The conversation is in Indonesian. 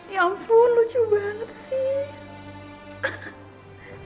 ya ampun lucu banget sih